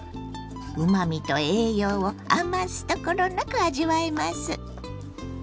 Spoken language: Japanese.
うまみと栄養を余すところなく味わえます。